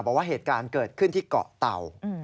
บอกว่าเหตุการณ์เกิดขึ้นที่เกาะเต่า